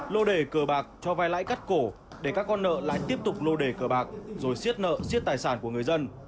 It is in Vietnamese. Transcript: lô đề cờ bạc cho vai lãi cắt cổ để các con nợ lại tiếp tục lô đề cờ bạc rồi xiết nợ xiết tài sản của người dân